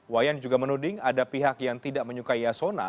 wayan juga menuding ada pihak yang tidak menyukai yasona